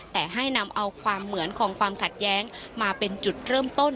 แต่ให้นำเอาความเหมือนของความขัดแย้งมาเป็นจุดเริ่มต้น